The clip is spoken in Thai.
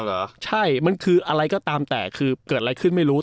เหรอใช่มันคืออะไรก็ตามแต่คือเกิดอะไรขึ้นไม่รู้